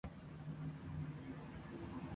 Logró aguantar hasta el final.